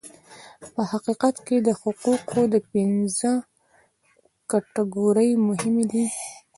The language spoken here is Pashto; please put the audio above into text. په حقیقت کې د حقوقو دا پنځه کټګورۍ مهمې دي.